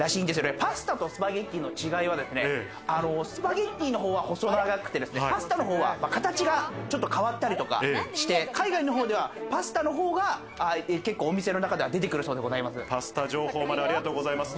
パスタとスパゲティの違いはですね、スパゲッティーのほうは細長くて、パスタの方は形がちょっと変わったりとかして、海外の方ではパスタの方が結構お店の中ではパスタ情報までありがとうございます。